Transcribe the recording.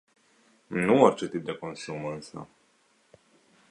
Nu orice tip de consum, însă.